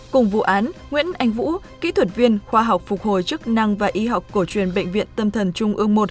cùng vụ án nguyễn anh vũ kỹ thuật viên khoa học phục hồi chức năng và y học cổ truyền bệnh viện tâm thần trung ương một